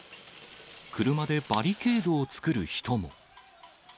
車でバリケードを作る人も。